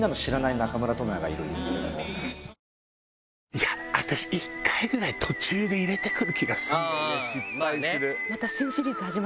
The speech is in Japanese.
いや私１回ぐらい途中で入れてくる気がするんだよね失敗する。